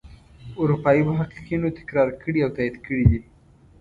اروپايي محققینو تکرار کړي او تایید کړي دي.